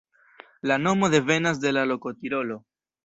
La nomo devenas de la loko Tirolo.